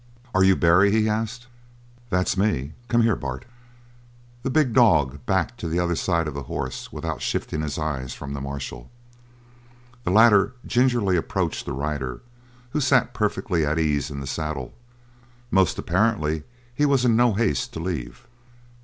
"Are you Barry?" he asked. "That's me. Come here, Bart." The big dog backed to the other side of the horse without shifting his eyes from the marshal. The latter gingerly approached the rider, who sat perfectly at ease in the saddle; most apparently he was in no haste to leave.